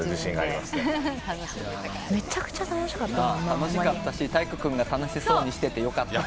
楽しかったし体育君が楽しそうにしててよかった。